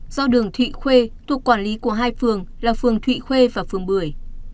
do đường thụy khuê thuộc quản lý của hai phường là phường thụy khuê và phường bưởi